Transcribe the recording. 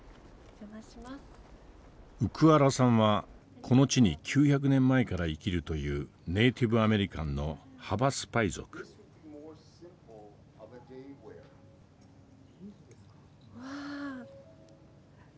ウクアラさんはこの地に９００年前から生きるというネイティブ・アメリカンのわ。